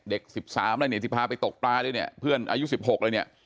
๑๓แล้วเนี่ยที่พาไปตกปลาด้วยเนี่ยเพื่อนอายุ๑๖เลยเนี่ย